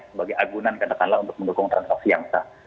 sebagai agunan katakanlah untuk mendukung transaksi yang sah